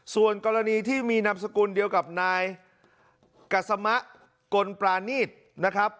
ส่วนกรณีที่มีนามสกุลเดียวกับนายกัสมะกลปรานีตนะครับ